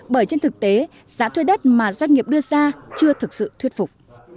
bởi trên thực tế giá thuê đất mà doanh nghiệp đưa ra chưa thực sự thuyết phục